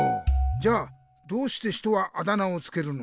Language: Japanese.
じゃあどうして人はあだ名をつけるのか？